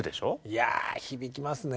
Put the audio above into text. いや響きますね。